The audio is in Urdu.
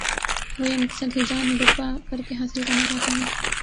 وہ یہ مقصد ہیجان برپا کر کے حاصل کرنا چاہتے ہیں۔